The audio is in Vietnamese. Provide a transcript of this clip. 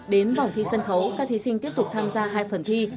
đến vòng thi sân khấu các thí sinh tiếp tục tham gia hai phần thi